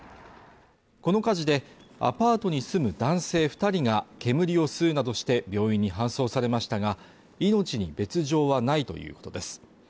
この火事でアパートに住む男性二人が煙を吸うなどして病院に搬送されましたが命に別状はないということです